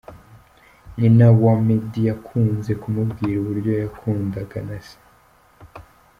Nyina wa Meddy yakunze kumubwira uburyo yakundaga na Se.